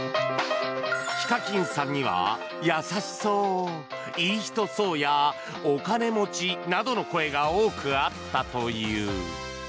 ＨＩＫＡＫＩＮさんには優しそう、いい人そうやお金持ちなどの声が多くあったという。